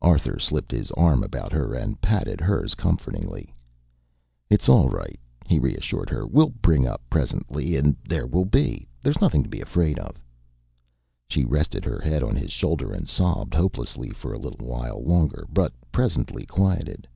Arthur slipped, his arm about her and patted hers comfortingly. "It's all right," he reassured her. "We'll bring up presently, and there we'll be. There's nothing to be afraid of." She rested her head on his shoulder and sobbed hopelessly for a little while longer, but presently quieted.